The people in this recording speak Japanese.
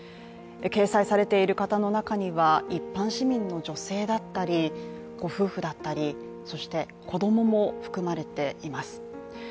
掲載されている方の中には一般市民の女性だったりご夫婦だったり、そして子供も含まれています。